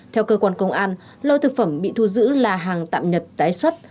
theo cơ quan công an lô thực phẩm bị thu giữ là hàng tạm nhập tái xuất